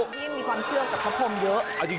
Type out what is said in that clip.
ที่มีความเชื่อกับพระพรมเยอะ